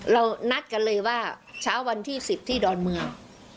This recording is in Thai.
นัดกันเลยว่าเช้าวันที่๑๐ที่ดอนเมือง